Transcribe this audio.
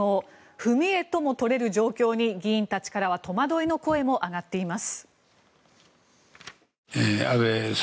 踏み絵とも取れる状況に議員たちからは戸惑いの声も上がっています。